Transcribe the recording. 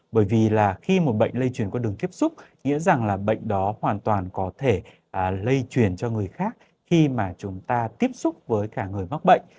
bởi vì là khi một bệnh lây chuyển qua đường tiếp xúc nghĩa rằng là bệnh đó hoàn toàn có thể lây truyền cho người khác khi mà chúng ta tiếp xúc với cả người mắc bệnh